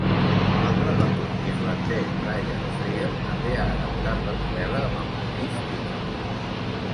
El dramaturg irlandès Brian Friel també ha adaptat la novel·la amb el mateix títol.